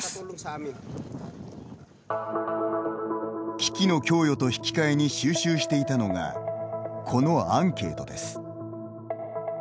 機器の供与と引き換えに収集していたのがこのアンケートです。